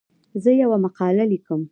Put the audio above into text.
زه یوه مقاله لیکم.